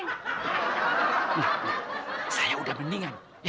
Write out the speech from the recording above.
nlh nnh karena saya sudah mendingan